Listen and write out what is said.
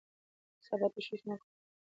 د سبا تشویش مه کوه!